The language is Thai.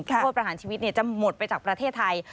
โทษประหารชีวิตจะหมดไปจากประเทศไทย